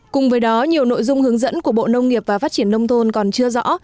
cùng với đó nhiều nội dung hướng dẫn của bộ nông nghiệp và phát triển nông thôn còn chưa rõ